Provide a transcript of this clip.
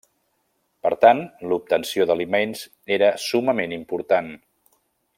Per tant l'obtenció d'aliments era summament important.